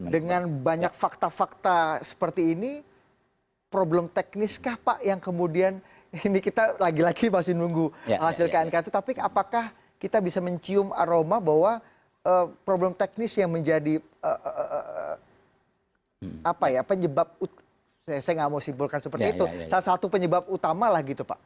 dengan banyak fakta fakta seperti ini problem teknis kah pak yang kemudian ini kita lagi lagi masih nunggu hasil knk itu tapi apakah kita bisa mencium aroma bahwa problem teknis yang menjadi apa ya penyebab saya nggak mau simpulkan seperti itu salah satu penyebab utama lah gitu pak